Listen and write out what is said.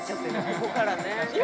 ここからね。